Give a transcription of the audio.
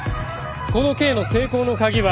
この計の成功の鍵は。